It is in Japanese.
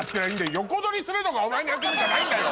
横取りするのがお前の役目じゃないんだよ。